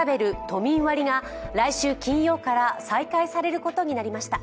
都民割が来週金曜から再開されることになりました。